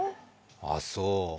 ああそう。